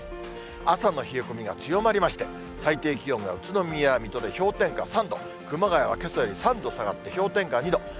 朝の冷え込みが強まりまして、最低気温が宇都宮、水戸で氷点下３度、熊谷はけさより３度下がって氷点下２度。